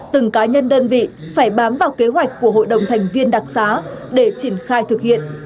từng cá nhân đơn vị phải bám vào kế hoạch của hội đồng thành viên đặc xá để triển khai thực hiện